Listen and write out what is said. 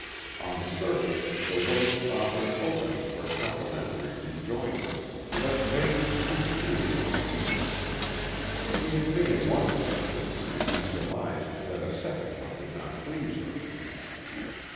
On the surface, the words offered an opening for a complimentary rejoinder, but Vane was too shrewd to seize it. He had made one venture, and he surmised that a second one would not please her.